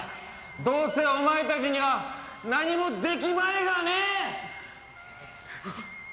どうせお前たちには何もできまいがね。